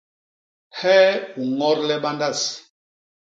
Hee u ñodle bandas.